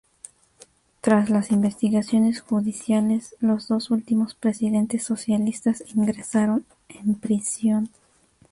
Tras las investigaciones judiciales los dos últimos presidentes socialistas ingresaron en prisión.